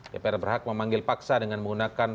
dpr berhak memanggil paksa dengan menggunakan